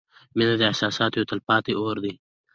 • مینه د احساساتو یو تلپاتې اور دی.